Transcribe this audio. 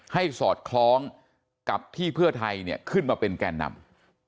สอดคล้องกับที่เพื่อไทยขึ้นมาเป็นแก่นำ